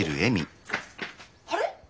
あれ？